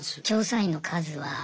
調査員の数は。